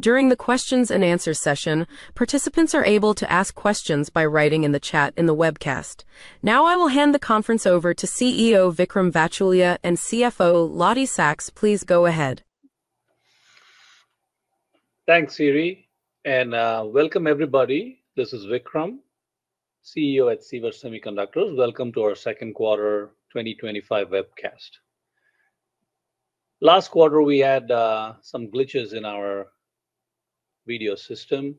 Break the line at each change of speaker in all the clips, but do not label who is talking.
During the questions and answers session, participants are able to ask questions by writing in the chat in the webcast. Now I will hand the conference over to CEO Vickram Vathulya and CFO Lottie Saks. Please go ahead.
Thanks, Siri. And welcome, everybody. This is Vickram, CEO at Sivers Semiconductors. Welcome to our Second quarter 2025 Webcast. Last quarter, we had some glitches in our video system,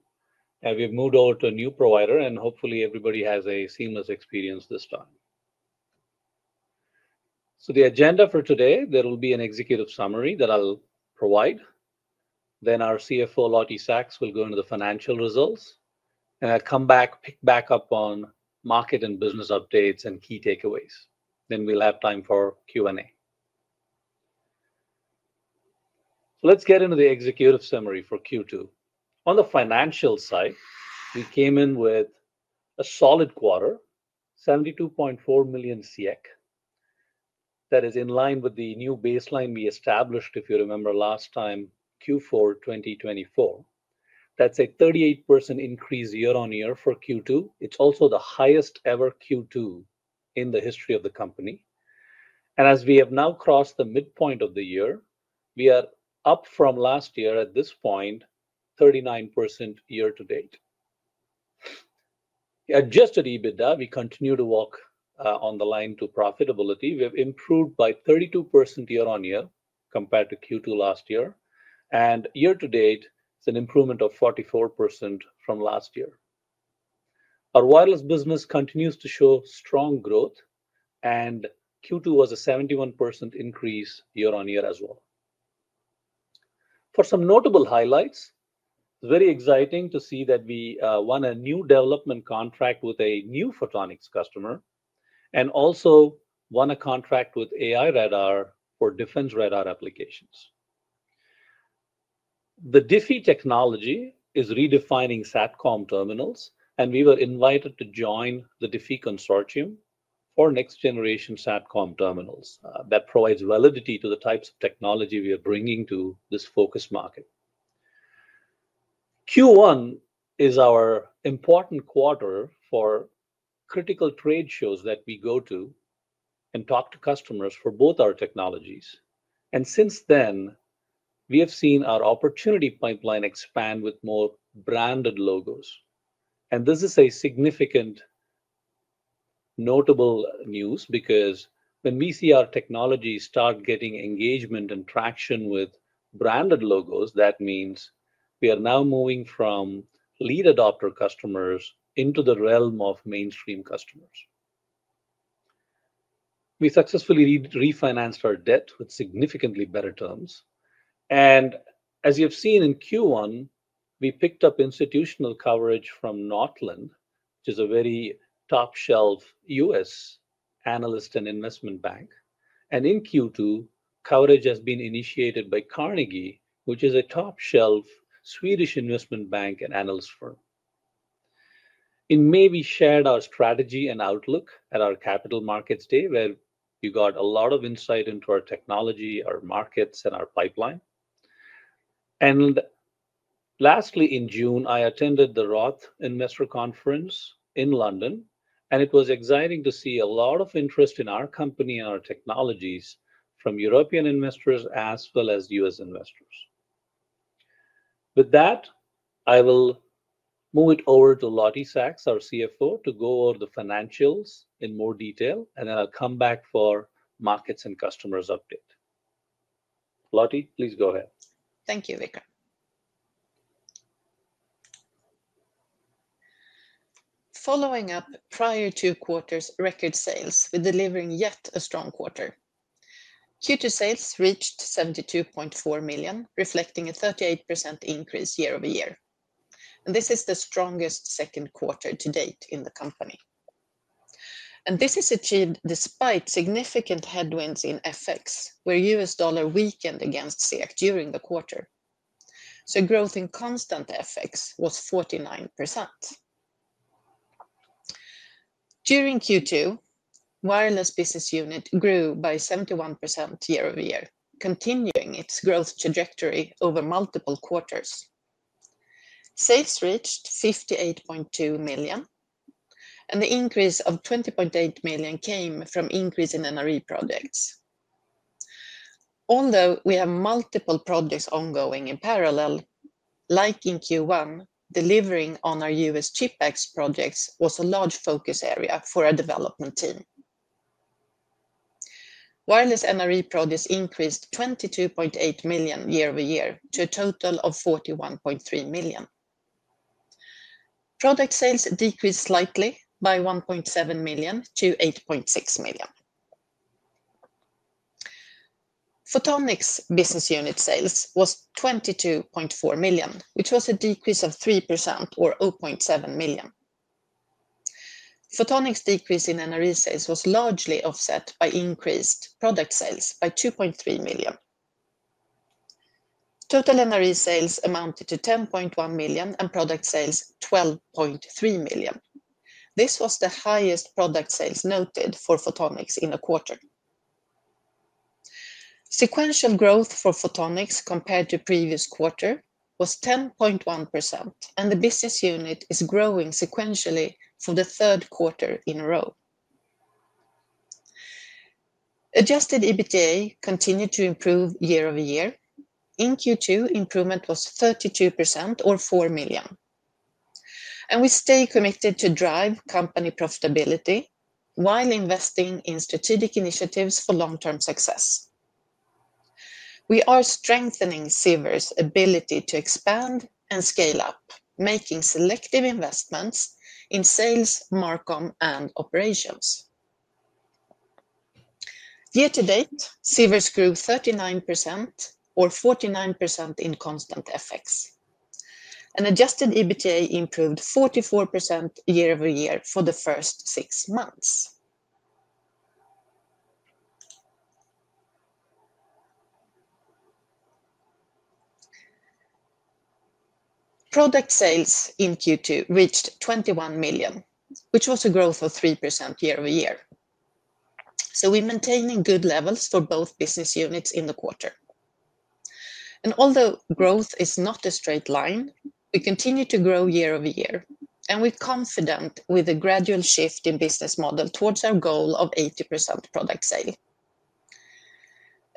and we've moved over to a new provider, and hopefully everybody has a seamless experience this time. The agenda for today: there will be an executive summary that I'll provide. Then our CFO, Lottie Saks, will go into the financial results, and I'll come back, pick back up on market and business updates and key takeaways. We'll have time for Q&A. Let's get into the executive summary for Q2. On the financial side, we came in with a solid quarter, 72.4 million. That is in line with the new baseline we established, if you remember last time, Q4 2024. That's a 38% increase year on year for Q2. It's also the highest ever Q2 in the history of the company. As we have now crossed the midpoint of the year, we are up from last year at this point, 39% year to date. Adjusted EBITDA, we continue to walk on the line to profitability. We have improved by 32% year on year compared to Q2 last year. Year to date, it's an improvement of 44% from last year. Our wireless business continues to show strong growth, and Q2 was a 71% increase year on year as well. For some notable highlights, it's very exciting to see that we won a new development contract with a new photonics customer and also won a contract with aiRadar for defense radar applications. The DIFI technology is redefining SATCOM terminals, and we were invited to join the DIFI Consortium for next-generation SATCOM terminals. That provides validity to the types of technology we are bringing to this focused market. Q1 is our important quarter for critical trade shows that we go to and talk to customers for both our technologies. Since then, we have seen our opportunity pipeline expand with more branded logos. This is significant, notable news because when we see our technology start getting engagement and traction with branded logos, that means we are now moving from lead adopter customers into the realm of mainstream customers. We successfully refinanced our debt with significantly better terms. As you have seen in Q1, we picked up institutional coverage from Northland, which is a very top-shelf U.S. analyst and investment bank. In Q2, coverage has been initiated by Carnegie, which is a top-shelf Swedish investment bank and analyst firm. In May, we shared our strategy and outlook at our Capital Markets Day, where you got a lot of insight into our technology, our markets, and our pipeline. Lastly, in June, I attended the Roth Investor Conference in London, and it was exciting to see a lot of interest in our company and our technologies from European investors as well as U.S. investors. With that, I will move it over to Lottie Saks, our CFO, to go over the financials in more detail, and then I'll come back for markets and customers update. Lottie, please go ahead.
Thank you, Vickram. Following up prior two quarters, record sales with delivering yet a strong quarter. Q2 sales reached 72.4 million, reflecting a 38% increase year-over-year. This is the strongest second quarter to date in the company. This is achieved despite significant headwinds in FX, where U.S. dollar weakened against SEK during the quarter. Growth in constant FX was 49%. During Q2, wireless business unit grew by 71% year-over-year, continuing its growth trajectory over multiple quarters. Sales reached 58.2 million, and the increase of 20.8 million came from increase in NRE projects. Although we have multiple projects ongoing in parallel, like in Q1, delivering on our U.S. CHIPS Act projects was a large focus area for a development team. Wireless NRE projects increased 22.8 million year-over-year to a total of 41.3 million. Product sales decreased slightly by 1.7 million to 8.6 million. Photonics business unit sales was 22.4 million, which was a decrease of 3% or 700,000. Photonics decrease in NRE sales was largely offset by increased product sales by 2.3 million. Total NRE sales amounted to 10.1 million and product sales 12.3 million. This was the highest product sales noted for Photonics in a quarter. Sequential growth for Photonics compared to previous quarter was 10.1%, and the business unit is growing sequentially for the third quarter in a row. Adjusted EBITDA continued to improve year-over-year. In Q2, improvement was 32% or 4 million. We stay committed to drive company profitability while investing in strategic initiatives for long-term success. We are strengthening Sivers' ability to expand and scale up, making selective investments in sales, marcom, and operations. Year to date, Sivers grew 39% or 49% in constant FX. Adjusted EBITDA improved 44% year-over-year for the first six months. Product sales in Q2 reached 21 million, which was a growth of 3% year-over-year. We're maintaining good levels for both business units in the quarter. Although growth is not a straight line, we continue to grow year-over-year, and we're confident with a gradual shift in business model towards our goal of 80% product sale.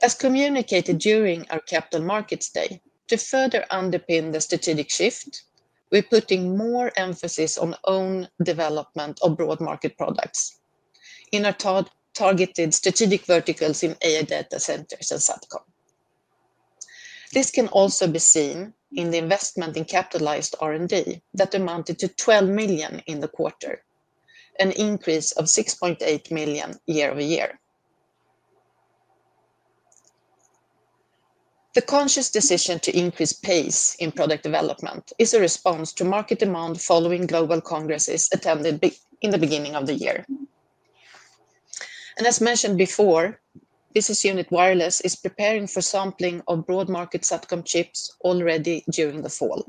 As communicated during our Capital Markets Day, to further underpin the strategic shift, we're putting more emphasis on own development of broad market products in our targeted strategic verticals in AI data centers and SATCOM. This can also be seen in the investment in capitalized R&D that amounted to 12 million in the quarter, an increase of 6.8 million year-over-year. The conscious decision to increase pace in product development is a response to market demand following global congresses attended in the beginning of the year. As mentioned before, business unit Wireless is preparing for sampling of broad market SATCOM chips already during the fall.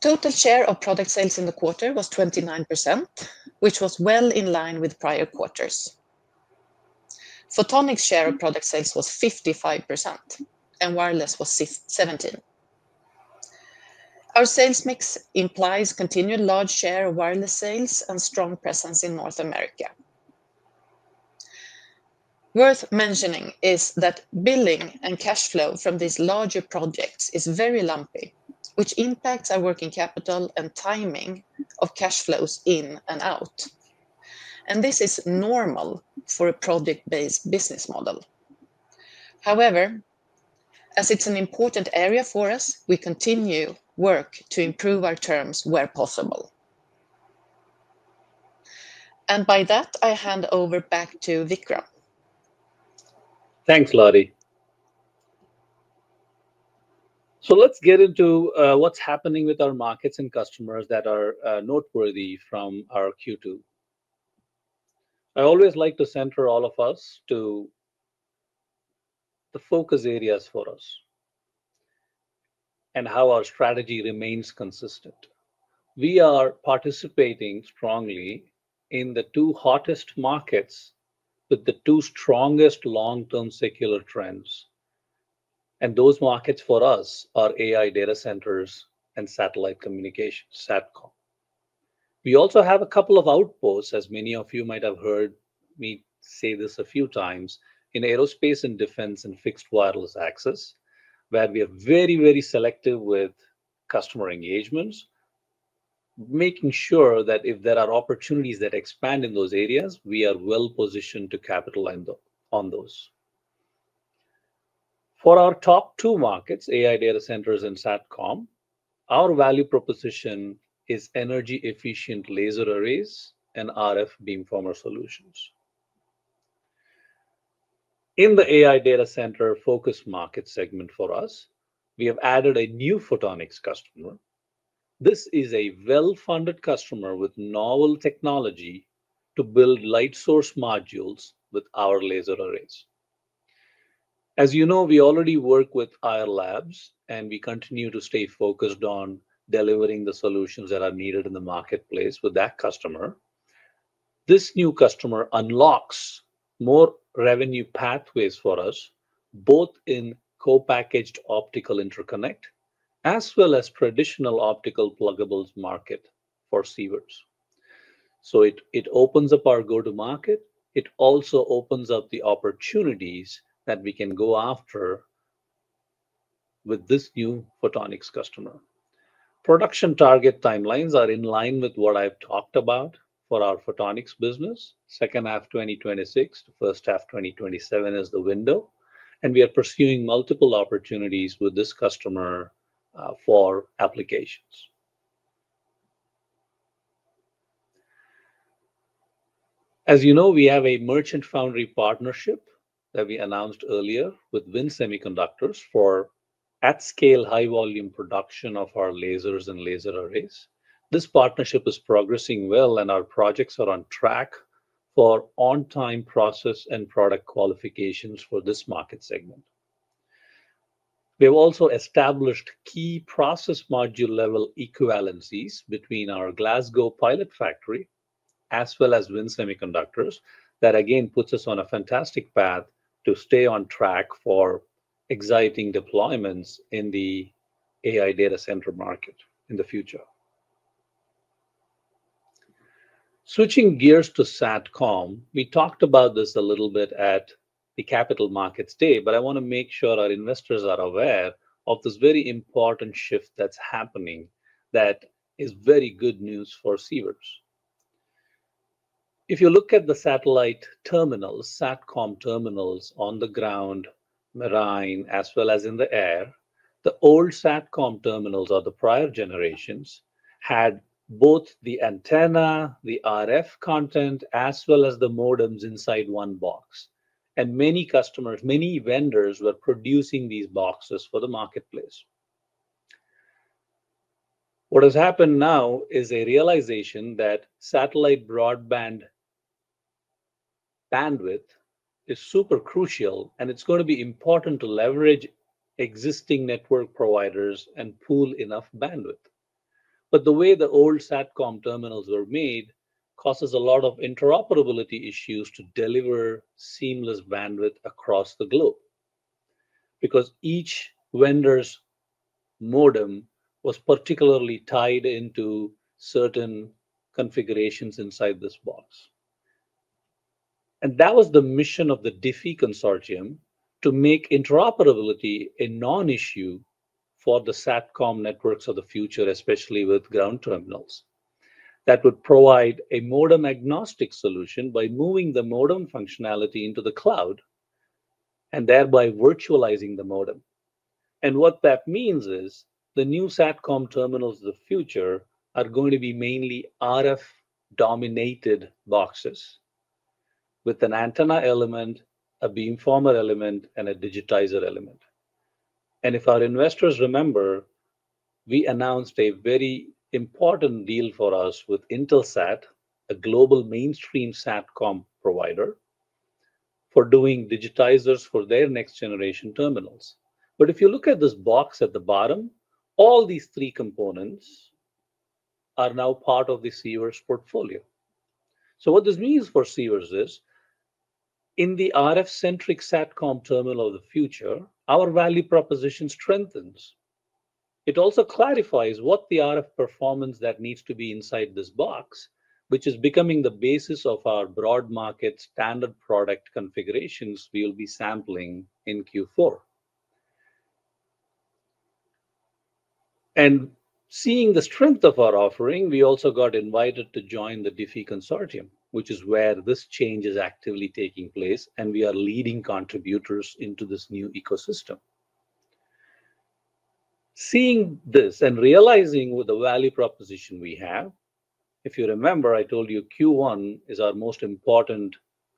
Total share of product sales in the quarter was 29%, which was well in line with prior quarters. Photonics' share of product sales was 55%, and Wireless was 17%. Our sales mix implies continued large share of Wireless sales and strong presence in North America. Worth mentioning is that billing and cash flow from these larger projects is very lumpy, which impacts our working capital and timing of cash flows in and out. This is normal for a project-based business model. However, as it's an important area for us, we continue work to improve our terms where possible. By that, I hand over back to Vickram.
Thanks, Lottie. Let's get into what's happening with our markets and customers that are noteworthy from our Q2. I always like to center all of us to the focus areas for us and how our strategy remains consistent. We are participating strongly in the two hottest markets with the two strongest long-term secular trends. Those markets for us are AI data centers and satellite communications, SATCOM. We also have a couple of outposts, as many of you might have heard me say this a few times, in aerospace and defense and fixed wireless access, where we are very, very selective with customer engagements, making sure that if there are opportunities that expand in those areas, we are well positioned to capitalize on those. For our top two markets, AI data centers and SATCOM, our value proposition is energy-efficient laser arrays and RF beamformer solutions. In the AI data center focus market segment for us, we have added a new photonics customer. This is a well-funded customer with novel technology to build light source modules with our laser arrays. As you know, we already work with Ayar Labs, and we continue to stay focused on delivering the solutions that are needed in the marketplace for that customer. This new customer unlocks more revenue pathways for us, both in co-packaged optical interconnect as well as traditional optical pluggable market for Sivers. It opens up our go-to-market. It also opens up the opportunities that we can go after with this new photonics customer. Production target timelines are in line with what I've talked about for our Photonics business. Second half 2026, the first half 2027 is the window. We are pursuing multiple opportunities with this customer for applications. As you know, we have a merchant foundry partnership that we announced earlier with WIN Semiconductors for at-scale high-volume production of our lasers and laser arrays. This partnership is progressing well, and our projects are on track for on-time process and product qualifications for this market segment. We've also established key process module level equivalencies between our Glasgow pilot factory as well as WIN Semiconductors that again puts us on a fantastic path to stay on track for exciting deployments in the AI data center market in the future. Switching gears to SATCOM, we talked about this a little bit at the Capital Markets Day, but I want to make sure our investors are aware of this very important shift that's happening that is very good news for Sivers. If you look at the satellite terminals, SATCOM terminals on the ground, marine, as well as in the air, the old SATCOM terminals of the prior generations had both the antenna, the RF content, as well as the modems inside one box. Many customers, many vendors were producing these boxes for the marketplace. What has happened now is a realization that satellite broadband bandwidth is super crucial, and it's going to be important to leverage existing network providers and pool enough bandwidth. The way the old SATCOM terminals were made causes a lot of interoperability issues to deliver seamless bandwidth across the globe because each vendor's modem was particularly tied into certain configurations inside this box. That was the mission of the DIFI Consortium to make interoperability a non-issue for the SATCOM networks of the future, especially with ground terminals. That would provide a modem-agnostic solution by moving the modem functionality into the cloud and thereby virtualizing the modem. What that means is the new SATCOM terminals of the future are going to be mainly RF-dominated boxes with an antenna element, a beamformer element, and a digitizer element. If our investors remember, we announced a very important deal for us with Intelsat, a global mainstream SATCOM provider for doing digitizers for their next-generation terminals. If you look at this box at the bottom, all these three components are now part of the Sivers portfolio. What this means for Sivers is in the RF-centric SATCOM terminal of the future, our value proposition strengthens. It also clarifies what the RF performance that needs to be inside this box, which is becoming the basis of our broad market standard product configurations we will be sampling in Q4. Seeing the strength of our offering, we also got invited to join the DIFI Consortium, which is where this change is actively taking place, and we are leading contributors into this new ecosystem. Seeing this and realizing the value proposition we have, if you remember, I told you Q1 is our most important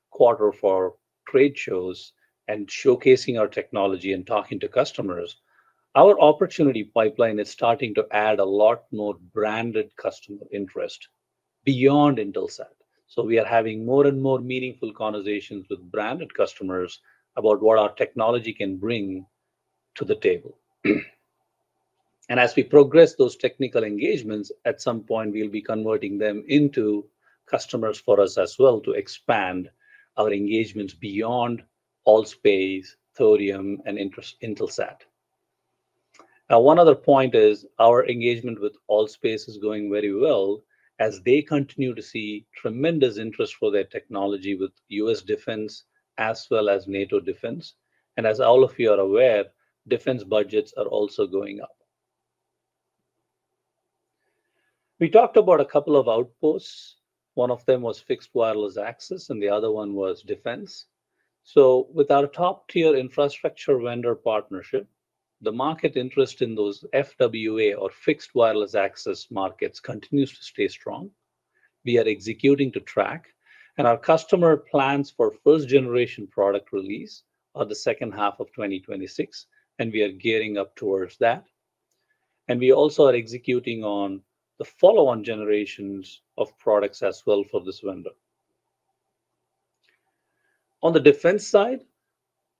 quarter for trade shows and showcasing our technology and talking to customers. Our opportunity pipeline is starting to add a lot more branded customer interest beyond Intelsat. We are having more and more meaningful conversations with branded customers about what our technology can bring to the table. As we progress those technical engagements, at some point, we'll be converting them into customers for us as well to expand our engagements beyond ALL.SPACE, Thorium, and Intelsat. One other point is our engagement with ALL.SPACE is going very well as they continue to see tremendous interest for their technology with U.S. defense as well as NATO defense. As all of you are aware, defense budgets are also going up. We talked about a couple of outposts. One of them was fixed wireless access, and the other one was defense. With our top-tier infrastructure vendor partnership, the market interest in those FWA or fixed wireless access markets continues to stay strong. We are executing to track, and our customer plans for first-generation product release are the second half of 2026, and we are gearing up towards that. We also are executing on the follow-on generations of products as well for this vendor. On the defense side,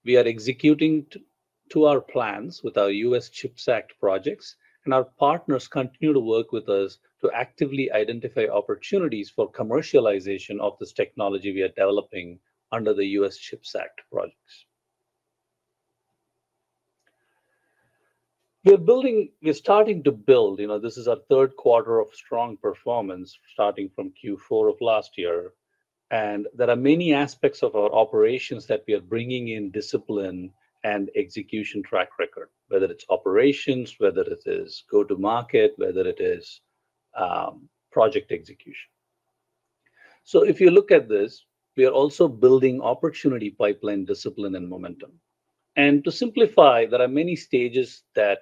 we are executing to our plans with our U.S. CHIPS Act projects, and our partners continue to work with us to actively identify opportunities for commercialization of this technology we are developing under the U.S. CHIPS Act projects. We are starting to build, this is our third quarter of strong performance starting from Q4 of last year, and there are many aspects of our operations that we are bringing in discipline and execution track record, whether it's operations, whether it is go-to-market, whether it is project execution. If you look at this, we are also building opportunity pipeline discipline and momentum. To simplify, there are many stages that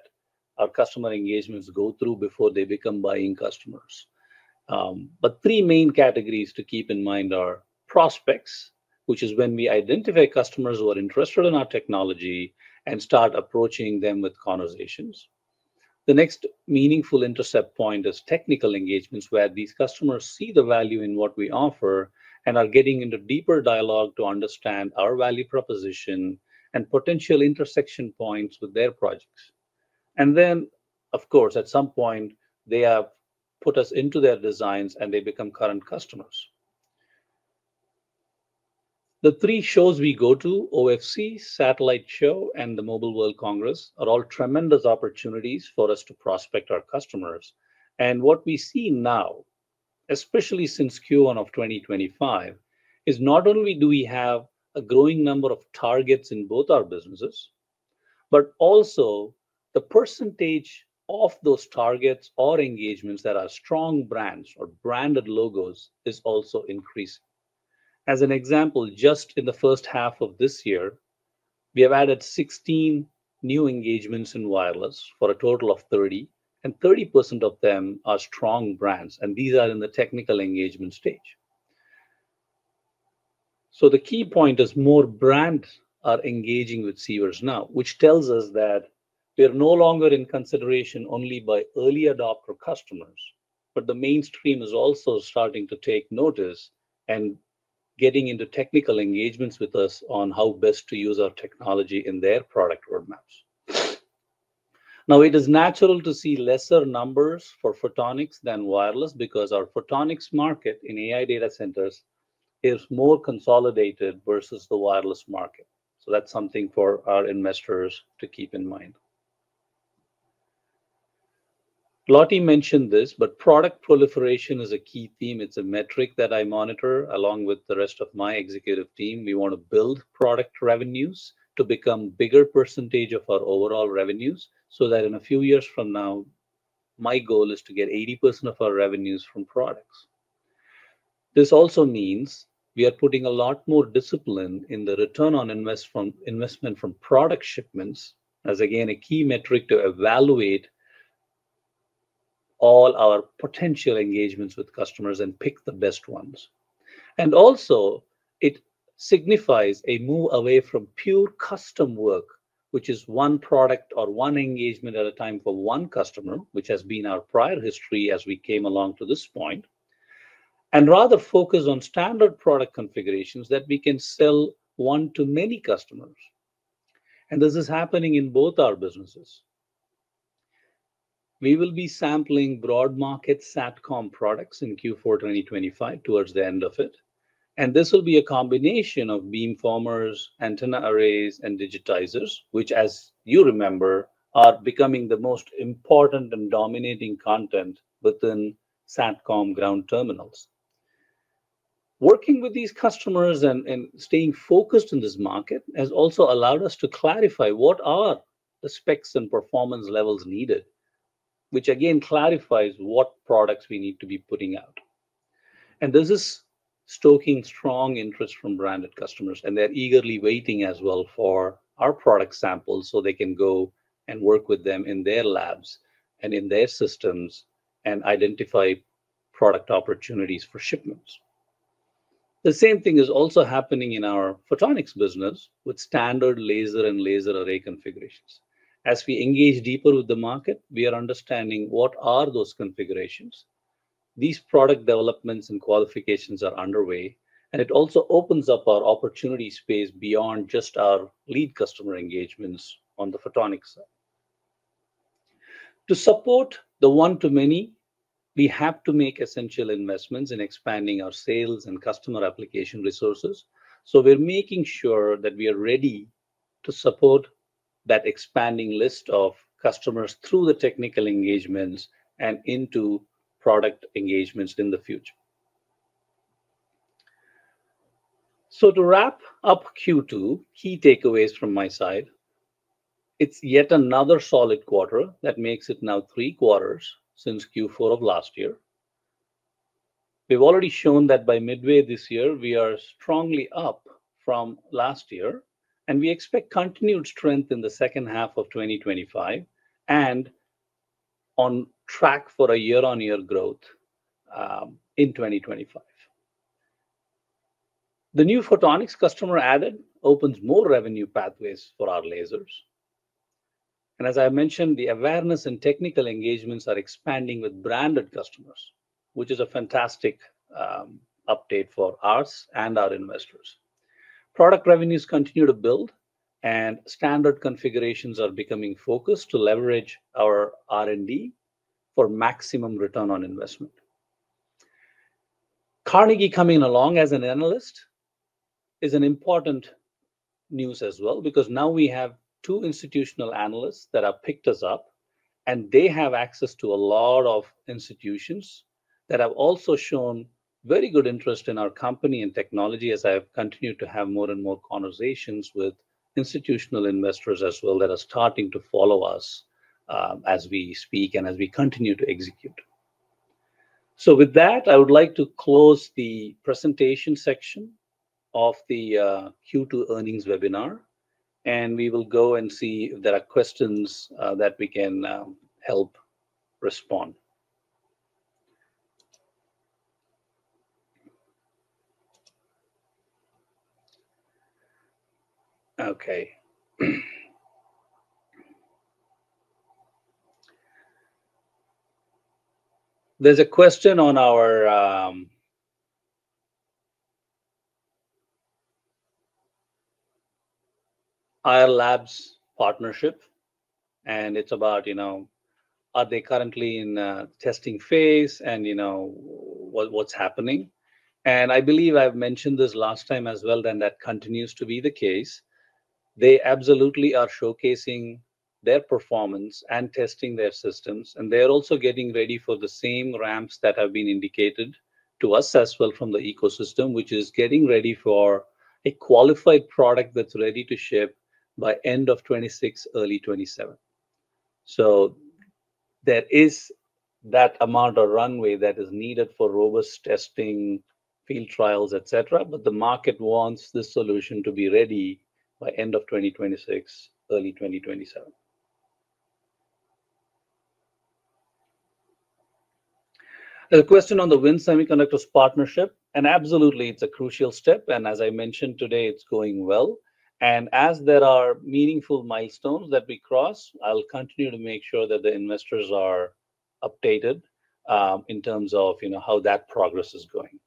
our customer engagements go through before they become buying customers. Three main categories to keep in mind are prospects, which is when we identify customers who are interested in our technology and start approaching them with conversations. The next meaningful intercept point is technical engagements where these customers see the value in what we offer and are getting into deeper dialogue to understand our value proposition and potential intersection points with their projects. At some point, they have put us into their designs and they become current customers. The three shows we go to, OFC, Satellite Show, and the Mobile World Congress, are all tremendous opportunities for us to prospect our customers. What we see now, especially since Q1 of 2025, is not only do we have a growing number of targets in both our businesses, but also the percentage of those targets or engagements that are strong brands or branded logos is also increasing. For example, just in the first half of this year, we have added 16 new engagements in wireless for a total of 30, and 30% of them are strong brands, and these are in the technical engagement stage. The key point is more brands are engaging with Sivers now, which tells us that we are no longer in consideration only by early adopter customers, but the mainstream is also starting to take notice and getting into technical engagements with us on how best to use our technology in their product roadmaps. It is natural to see lesser numbers for photonics than wireless because our photonics market in AI data centers is more consolidated versus the wireless market. That's something for our investors to keep in mind. Lottie mentioned this, but product proliferation is a key theme. It's a metric that I monitor along with the rest of my executive team. We want to build product revenues to become a bigger percentage of our overall revenues so that in a few years from now, my goal is to get 80% of our revenues from products. This also means we are putting a lot more discipline in the return on investment from product shipments as, again, a key metric to evaluate all our potential engagements with customers and pick the best ones. It signifies a move away from pure custom work, which is one product or one engagement at a time for one customer, which has been our prior history as we came along to this point, and rather focus on standard product configurations that we can sell one to many customers. This is happening in both our businesses. We will be sampling broad market SATCOM products in Q4 2025 towards the end of it. This will be a combination of beamformers, antenna arrays, and digitizers, which, as you remember, are becoming the most important and dominating content within SATCOM ground terminals. Working with these customers and staying focused in this market has also allowed us to clarify what are the specs and performance levels needed, which again clarifies what products we need to be putting out. This is stoking strong interest from branded customers, and they're eagerly waiting as well for our product samples so they can go and work with them in their labs and in their systems and identify product opportunities for shipments. The same thing is also happening in our Photonics business with standard laser and laser array configurations. As we engage deeper with the market, we are understanding what are those configurations. These product developments and qualifications are underway, and it also opens up our opportunity space beyond just our lead customer engagements on the Photonics side. To support the one-to-many, we have to make essential investments in expanding our sales and customer application resources. We're making sure that we are ready to support that expanding list of customers through the technical engagements and into product engagements in the future. To wrap up Q2, key takeaways from my side, it's yet another solid quarter that makes it now three quarters since Q4 of last year. We've already shown that by midway this year, we are strongly up from last year, and we expect continued strength in the second half of 2025 and on track for a year-over-year growth in 2025. The new Photonics customer added opens more revenue pathways for our lasers. As I mentioned, the awareness and technical engagements are expanding with branded customers, which is a fantastic update for us and our investors. Product revenues continue to build, and standard configurations are becoming focused to leverage our R&D for maximum return on investment. Carnegie coming along as an analyst is important news as well because now we have two institutional analysts that have picked us up, and they have access to a lot of institutions that have also shown very good interest in our company and technology, as I have continued to have more and more conversations with institutional investors as well that are starting to follow us as we speak and as we continue to execute. I would like to close the presentation section of the Q2 earnings webinar, and we will go and see if there are questions that we can help respond. There's a question on our Ayar Labs partnership, and it's about, you know, are they currently in a testing phase and, you know, what's happening? I believe I've mentioned this last time as well, and that continues to be the case. They absolutely are showcasing their performance and testing their systems, and they are also getting ready for the same ramps that have been indicated to us as well from the ecosystem, which is getting ready for a qualified product that's ready to ship by end of 2026, early 2027. There is that amount of runway that is needed for robust testing, field trials, etc., but the market wants this solution to be ready by end of 2026, early 2027. There's a question on the WIN Semiconductors partnership, and absolutely, it's a crucial step, and as I mentioned today, it's going well. As there are meaningful milestones that we cross, I'll continue to make sure that the investors are updated in terms of how that progress is going.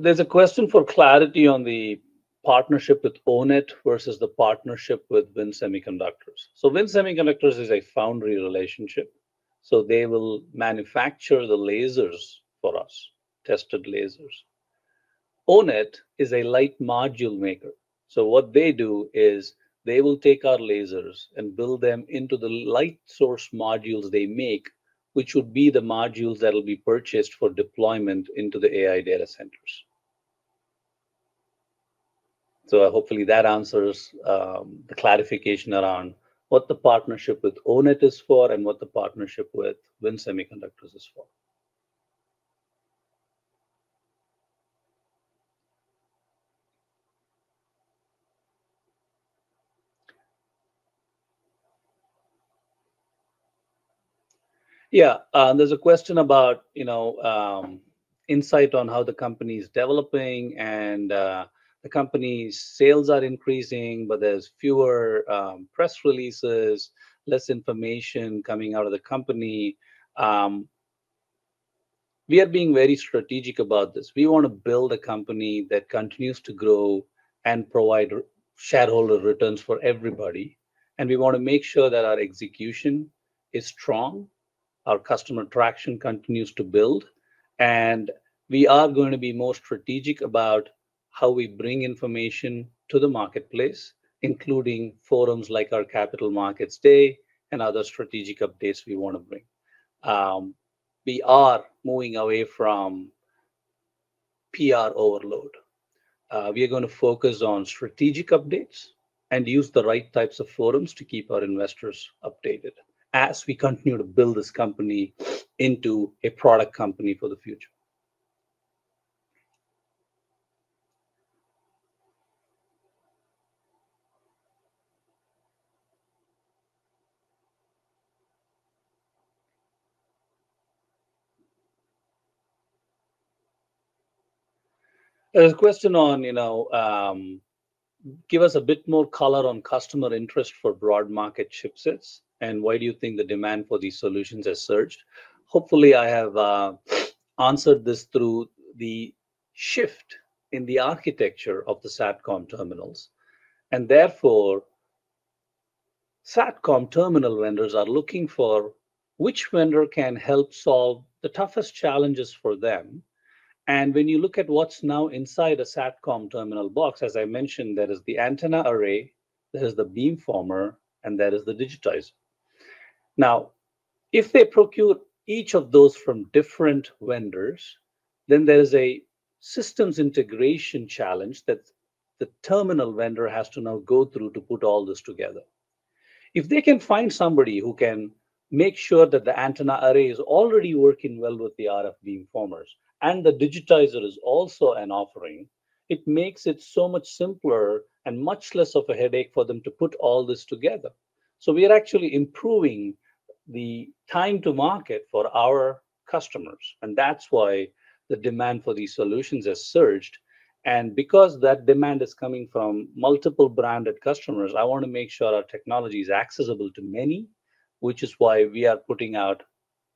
There's a question for clarity on the partnership with O-Net versus the partnership with WIN Semiconductors. WIN Semiconductors is a foundry relationship, so they will manufacture the lasers for us, tested lasers. O-Net is a light module maker. What they do is they will take our lasers and build them into the light source modules they make, which will be the modules that will be purchased for deployment into the AI data centers. Hopefully that answers the clarification around what the partnership with O-Net is for and what the partnership with WIN Semiconductors is for. There's a question about insight on how the company is developing and the company's sales are increasing, but there's fewer press releases, less information coming out of the company. We are being very strategic about this. We want to build a company that continues to grow and provide shareholder returns for everybody, and we want to make sure that our execution is strong, our customer traction continues to build, and we are going to be more strategic about how we bring information to the marketplace, including forums like our Capital Markets Day and other strategic updates we want to bring. We are moving away from PR overload. We are going to focus on strategic updates and use the right types of forums to keep our investors updated as we continue to build this company into a product company for the future. There's a question on give us a bit more color on customer interest for broad market chipsets and why do you think the demand for these solutions has surged? Hopefully, I have answered this through the shift in the architecture of the SATCOM terminals, and therefore, SATCOM terminal vendors are looking for which vendor can help solve the toughest challenges for them. When you look at what's now inside a SATCOM terminal box, as I mentioned, there is the antenna array, there is the beamformer, and there is the digitizer. If they procure each of those from different vendors, then there is a systems integration challenge that the terminal vendor has to now go through to put all this together. If they can find somebody who can make sure that the antenna array is already working well with the RF beamformers and the digitizer is also an offering, it makes it so much simpler and much less of a headache for them to put all this together. We are actually improving the time to market for our customers, which is why the demand for these solutions has surged. Because that demand is coming from multiple branded customers, I want to make sure our technology is accessible to many, which is why we are putting out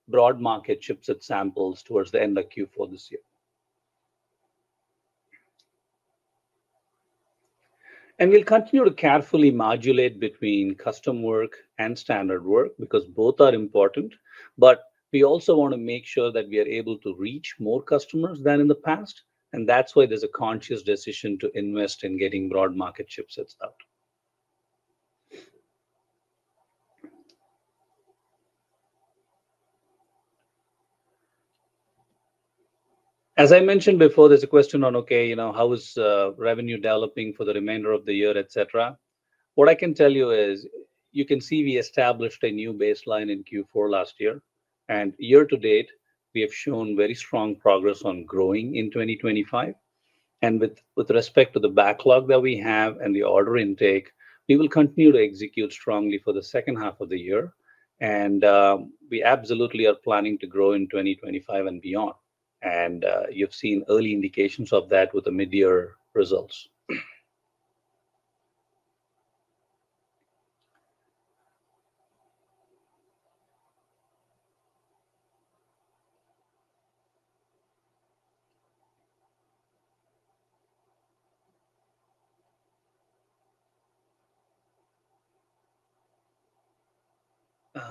broad market chipset samples towards the end of Q4 this year. We will continue to carefully modulate between custom work and standard work because both are important, but we also want to make sure that we are able to reach more customers than in the past, which is why there's a conscious decision to invest in getting broad market chipsets out. As I mentioned before, there's a question on, okay, you know, how is revenue developing for the remainder of the year, etc. What I can tell you is you can see we established a new baseline in Q4 last year, and year to date, we have shown very strong progress on growing in 2025. With respect to the backlog that we have and the order intake, we will continue to execute strongly for the second half of the year, and we absolutely are planning to grow in 2025 and beyond. You have seen early indications of that with the mid-year results.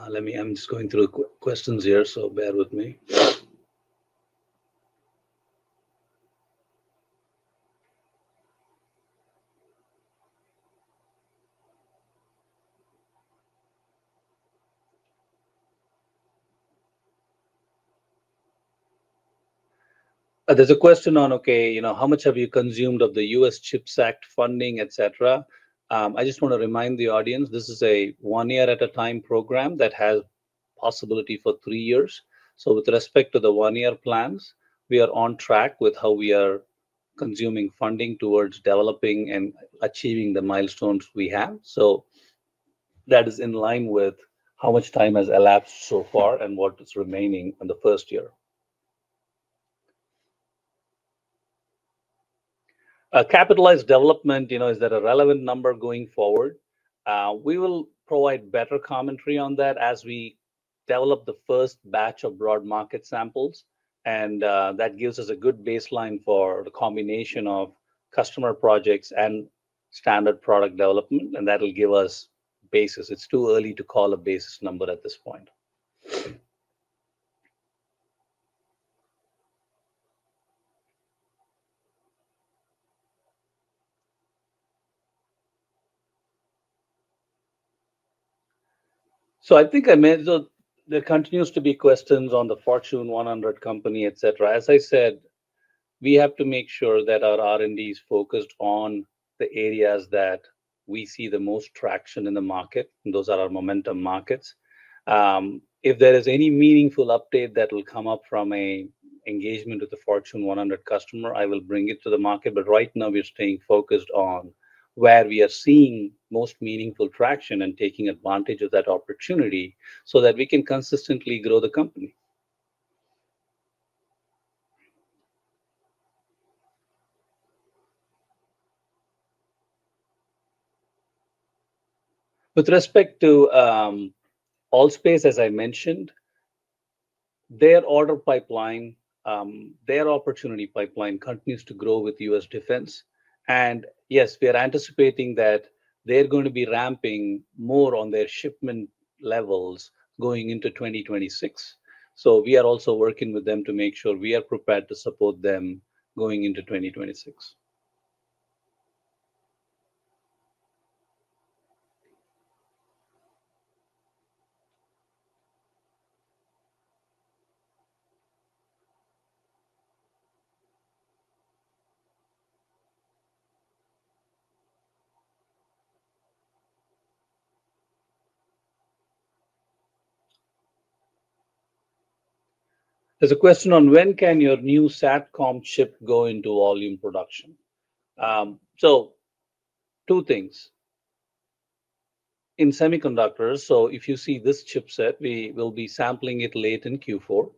Let me, I'm just going through the questions here, so bear with me. There's a question on, okay, you know, how much have you consumed of the U.S. CHIPS Act funding, etc. I just want to remind the audience this is a one-year at-a-time program that has a possibility for three years. With respect to the one-year plans, we are on track with how we are consuming funding towards developing and achieving the milestones we have. That is in line with how much time has elapsed so far and what is remaining in the first year. Capitalized development, you know, is that a relevant number going forward? We will provide better commentary on that as we develop the first batch of broad market samples, and that gives us a good baseline for the combination of customer projects and standard product development, and that'll give us basis. It's too early to call a basis number at this point. I think there continues to be questions on the Fortune 100 company, etc. As I said, we have to make sure that our R&D is focused on the areas that we see the most traction in the market, and those are our momentum markets. If there is any meaningful update that will come up from an engagement with the Fortune 100 customer, I will bring it to the market, but right now we are staying focused on where we are seeing most meaningful traction and taking advantage of that opportunity so that we can consistently grow the company. With respect to ALL.SPACE, as I mentioned, their order pipeline, their opportunity pipeline continues to grow with U.S. defense. Yes, we are anticipating that they're going to be ramping more on their shipment levels going into 2026. We are also working with them to make sure we are prepared to support them going into 2026. There's a question on when can your new SATCOM chip go into volume production. Two things. In semiconductors, if you see this chipset, we will be sampling it late in Q4.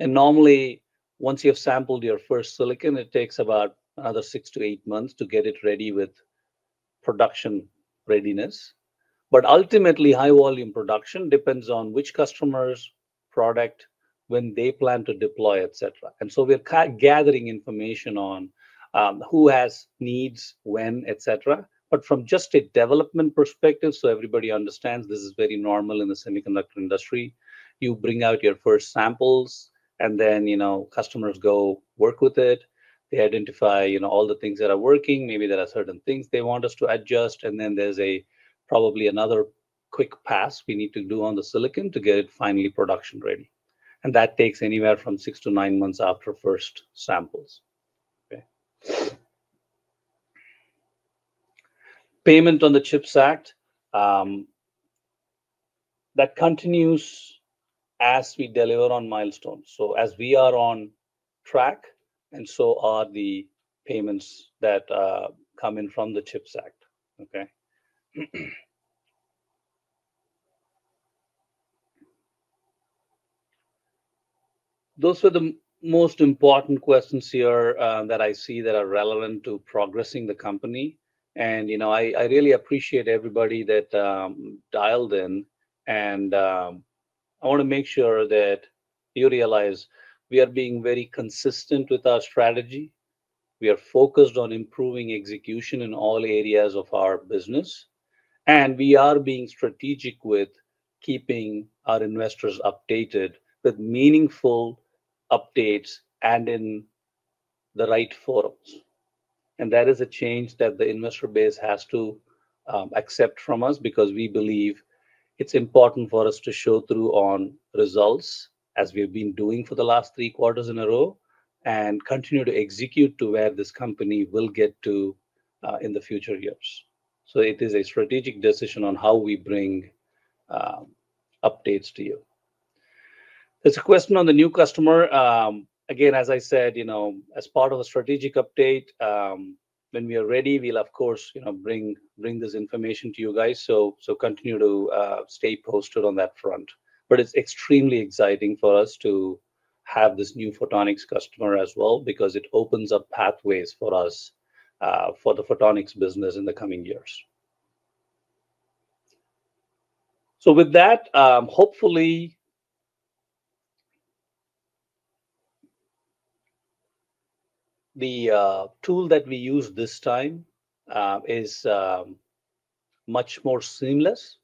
Normally, once you have sampled your first silicon, it takes about another six to eight months to get it ready with production readiness. Ultimately, high volume production depends on which customers, product, when they plan to deploy, etc. We're gathering information on who has needs, when, etc. From just a development perspective, so everybody understands this is very normal in the semiconductor industry. You bring out your first samples, and then customers go work with it. They identify all the things that are working. Maybe there are certain things they want us to adjust, and then there's probably another quick pass we need to do on the silicon to get it finally production ready. That takes anywhere from six to nine months after first samples. Payment on the CHIPS Act, that continues as we deliver on milestones. As we are on track, so are the payments that come in from the CHIPS Act. Those were the most important questions here that I see that are relevant to progressing the company. I really appreciate everybody that dialed in, and I want to make sure that you realize we are being very consistent with our strategy. We are focused on improving execution in all areas of our business, and we are being strategic with keeping our investors updated with meaningful updates and in the right forums. That is a change that the investor base has to accept from us because we believe it's important for us to show through on results, as we have been doing for the last three quarters in a row, and continue to execute to where this company will get to in the future years. It is a strategic decision on how we bring updates to you. There's a question on the new customer. As I said, as part of a strategic update, when we are ready, we'll, of course, bring this information to you guys. Continue to stay posted on that front. It's extremely exciting for us to have this new photonics customer as well because it opens up pathways for us for the Photonics business in the coming years. With that, hopefully, the tool that we use this time is much more seamless,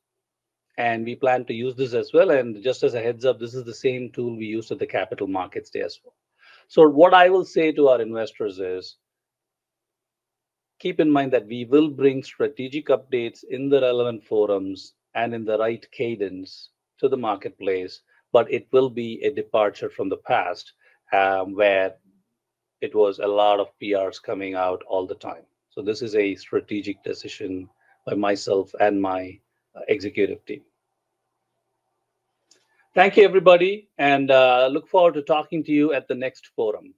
and we plan to use this as well. Just as a heads up, this is the same tool we used at the Capital Markets Day as well. What I will say to our investors is keep in mind that we will bring strategic updates in the relevant forums and in the right cadence to the marketplace, but it will be a departure from the past where it was a lot of PRs coming out all the time. This is a strategic decision by myself and my executive team. Thank you, everybody, and I look forward to talking to you at the next forum.